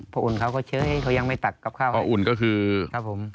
อุ่นเขาก็เฉยเขายังไม่ตัดกับข้าวพ่ออุ่นก็คือครับผม